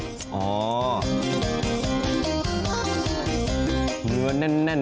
เกะเก็บหนึ่งออกครับ